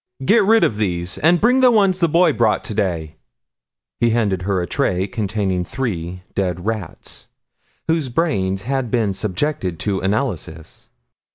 "Get rid of these and bring the one the boy brought today." He handed her a tray containing three dead rats, whose brains had been subjected to analysis.